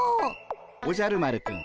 おじゃる丸くん